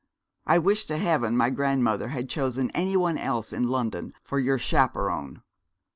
I wish to heaven my grandmother had chosen any one else in London for your chaperon.'